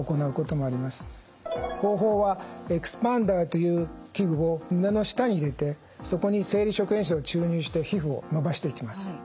方法はエキスパンダーという器具を胸の下に入れてそこに生理食塩水を注入して皮膚を伸ばしていきます。